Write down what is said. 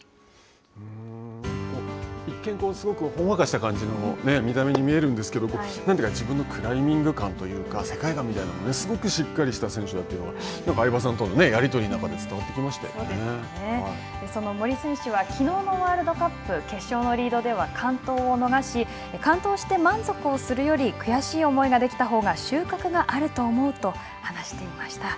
一見、すごくほんわかした感じの見た目に見えるんですけど自分のクライミング観というか、世界観みたいなのすごくしっかりした選手というのが相葉さんとのやり取りの中で、その森選手はきのうのワールドカップ、決勝のリードでは完登を逃し、完登して満足をするより悔しい思いができたほうが収穫があると思うと話していました。